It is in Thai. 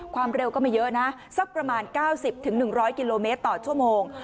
ความเร็วก็ไม่เยอะนะสักประมาณเก้าสิบถึงหนึ่งร้อยกิโลเมตรต่อชั่วโมง